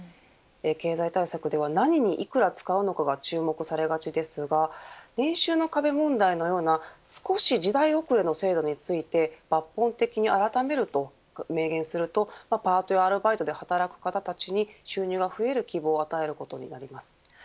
経済対策では何にいくら使うのかが注目されがちですが年収の壁問題のような少し時代遅れの制度について抜本的に改めると明言するとパートやアルバイトで働く方たちに収入が増える希望を与えることになります。